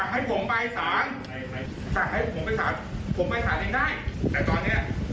อะไรเนี่ยนี่ครับถ่ายไว้พี่